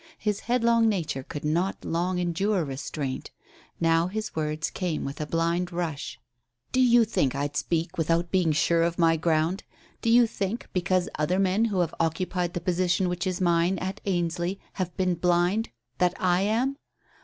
His headlong nature could not long endure restraint. Now his words came with a blind rush. "Do you think I'd speak without being sure of my ground? Do you think, because other men who have occupied the position which is mine at Ainsley have been blind, that I am?